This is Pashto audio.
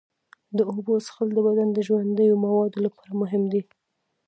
د اوبو څښل د بدن د ژوندیو موادو لپاره مهم دي.